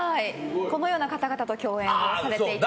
このような方々と共演されていたと。